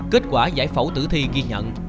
kết quả giải phẫu tử thi ghi nhận